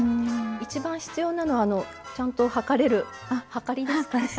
一番必要なのはあのちゃんと量れるはかりですかね。